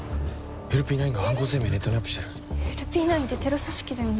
ＬＰ９が犯行声明ネットにアップしてるＬＰ９ってテロ組織だよね